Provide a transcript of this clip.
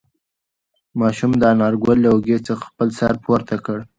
ماشوم د انارګل له اوږې څخه خپل سر پورته کړ.